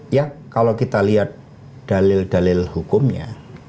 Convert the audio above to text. ya kalau kita lihat dalil dalil hukumnya